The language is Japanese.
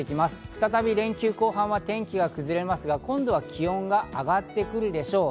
再び連休後半は天気が崩れますが、今度は気温が上がってくるでしょう。